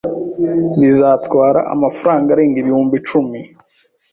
Bizatwara amafaranga arenga ibihumbi icumi.